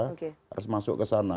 harus masuk ke sana